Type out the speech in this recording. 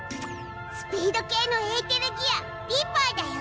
スピード系のエーテルギアリーパーだよ！